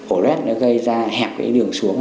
ổ lết gây ra hẹp đường xuống